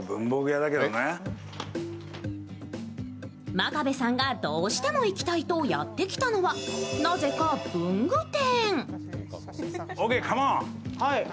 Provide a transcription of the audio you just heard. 真壁さんがどうしても行きたいとやってきたのはなぜか文具店。